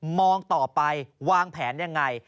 มองต่อไปวางแผนยังไง